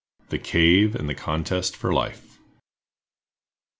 _The Cave and the Contest for Life.